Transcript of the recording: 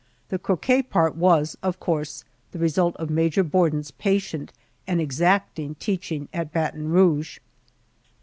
The croquet part was, of course, the result of Major Borden's patient and exacting teaching at Baton Rouge.